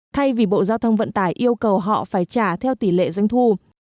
thay vì bộ giao thông vận tải yêu cầu họ phải trả theo tỷ lệ doanh thu